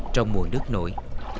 trong mùa nước nổi